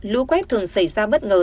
lũ quét thường xảy ra bất ngờ